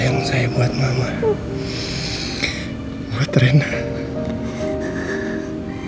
dan kalau kamu buka pid xp